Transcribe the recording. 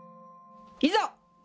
いざ！